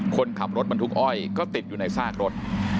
คนขับรถบรรทุกอ้อยก็ติดอยู่ในซากรถ